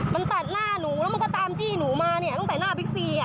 มันตัดหน้าหนูแล้วมันก็ตามจี้หนูมาเนี่ยตั้งแต่หน้าบิ๊กซี